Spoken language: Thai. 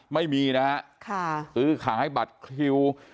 ตัวอีกทีครับไม่มีนะคือขายบัตรหิว